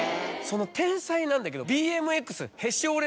天才なんだけど。